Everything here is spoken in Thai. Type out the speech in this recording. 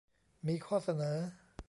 มีข้อเสนอ